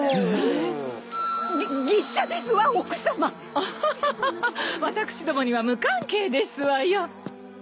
オホホホ私どもには無関係ですわよ。